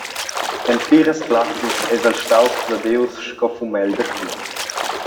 En pliras plazzas eis el staus pladius sco fumegl da purs.